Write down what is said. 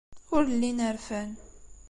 Ur llin rfan.